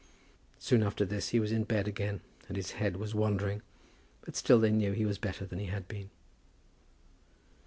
Soon after this he was in bed again, and his head was wandering; but still they knew that he was better than he had been.